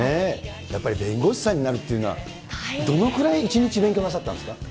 やっぱり弁護士さんになるっていうのは、どのくらい一日勉強なさったんですか？